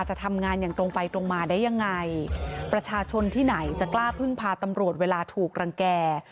จะทำงานอย่างตรงไปตรงมาได้ยังไงประชาชนที่ไหนจะกล้าพึ่งพาตำรวจเวลาถูกรังแก่